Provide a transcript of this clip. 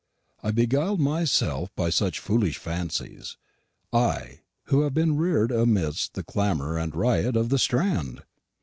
I beguiled myself by such foolish fancies I, who have been reared amidst the clamour and riot of the Strand!